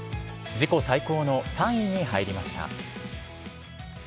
自己最高の３位に入りました。